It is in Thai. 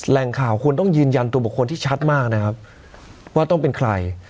แหล่งข่าวคุณต้องยืนยันตัวบุคคลที่ชัดมากนะครับว่าต้องเป็นใคร